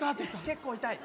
結構痛い。